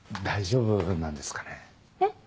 大丈夫なんですかね？